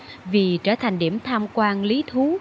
nhộn nhịp hơn vì trở thành điểm tham quan lý thú